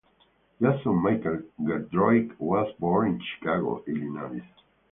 Jason Michael Gedroic was born in Chicago, Illinois.